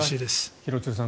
廣津留さん